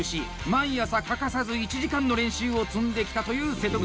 毎朝欠かさず１時間の練習を積んできたという瀬戸口。